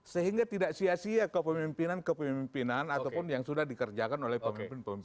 sehingga tidak sia sia kepemimpinan kepemimpinan ataupun yang sudah dikerjakan oleh pemimpin pemimpin